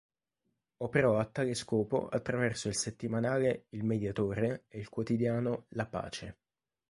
Operò a tale scopo attraverso il settimanale "Il Mediatore" e il quotidiano "La Pace".